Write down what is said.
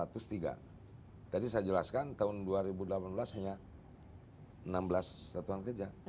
tadi saya jelaskan tahun dua ribu delapan belas hanya enam belas satuan kerja